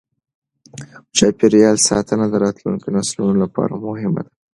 چاپیریال ساتنه د راتلونکې نسلونو لپاره مهمه ده.